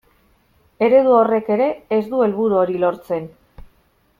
Eredu horrek ere ez du helburu hori lortzen.